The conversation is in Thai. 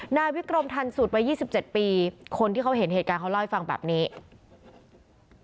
หน้าวิกรคมทันสุดไว้ยี่สิบเจ็ดปีคนที่เขาเห็นเหตุการณ์เขาเล่าให้ฟังแบบเนี้ย